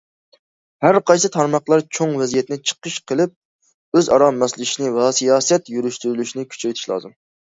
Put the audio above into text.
ھەر قايسى تارماقلار چوڭ ۋەزىيەتنى چىقىش قىلىپ، ئۆزئارا ماسلىشىشنى ۋە سىياسەت يۈرۈشلەشتۈرۈشنى كۈچەيتىش لازىم.